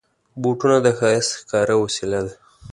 بوټونه د ښایست ښکاره وسیله ده.